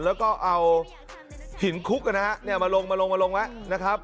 แล้วก็เอาหินคุกนะฮะมาลงมาลงไว้นะครับ